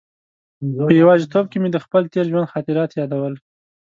په یوازې توب کې مې د خپل تېر ژوند خاطرات یادول.